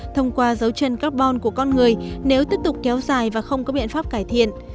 thông qua dấu chân carbon của con người nếu tiếp tục kéo dài và không có biện pháp cải thiện